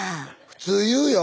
普通言うよ。